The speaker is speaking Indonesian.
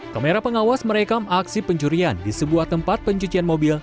kamera pengawas merekam aksi pencurian di sebuah tempat pencucian mobil